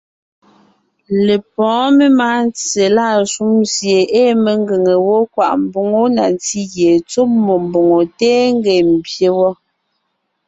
Lepɔ́ɔn memáa ntse lâ shúm sie ée mengʉ̀ŋe wó kwaʼ mboŋó na ntí gie tsɔ́ mmó mbòŋo téen ńgee ḿbyé wɔ́,